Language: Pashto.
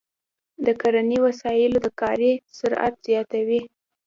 د کرنې وسایل د کاري سرعت زیاتوي.